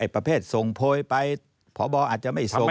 ประเภทส่งโพยไปพบอาจจะไม่ส่ง